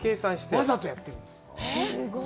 わざとやってるんです。